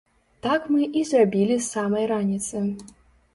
Так мы і зрабілі з самай раніцы.